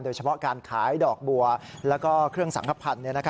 โดยเฉพาะการขายดอกบัวแล้วก็เครื่องสังขพันธ์